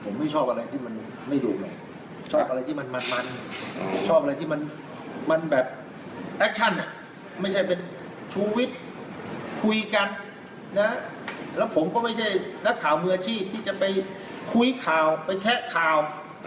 นักห่าวมืออาชีพที่จะไปคุ้ยข่าวแค้นข่าว